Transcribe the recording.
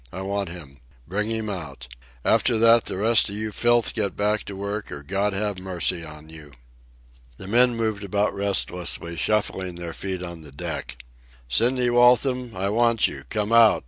"I want him. Bring him out. After that, the rest of you filth get back to work, or God have mercy on you." The men moved about restlessly, shuffling their feet on the deck. "Sidney Waltham, I want you—come out!"